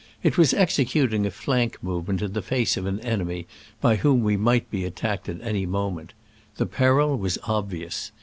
It was executing a flank movement in the face of an enemy by whom we might be attacked at any mo ment. The peril was obvious.